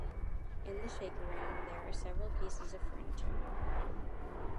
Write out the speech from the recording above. In the Shaker room there are several pieces of furniture.